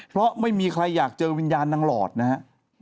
เพราะไม่มีใครอยากเจอวิญญาณนางหลอดนะฮะ